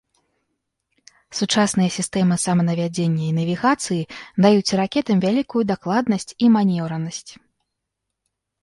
Сучасныя сістэмы саманавядзення і навігацыі даюць ракетам вялікую дакладнасць і манеўранасць.